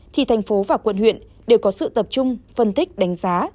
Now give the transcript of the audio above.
thì thành phố và quận huyện đều có sự tập trung phân tích đánh giá